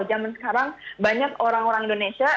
zaman sekarang banyak orang orang indonesia